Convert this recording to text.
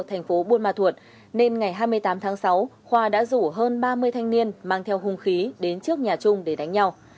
thành phố buôn ma thuột nên ngày hai mươi tám tháng sáu khoa đã rủ hơn ba mươi thanh niên mang theo hùng khí đến trước nhà trung để đánh nhau